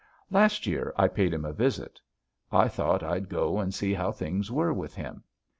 "Last year I paid him a visit. I thought I'd go and see how things were with him.